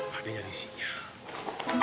pade nyari sinyal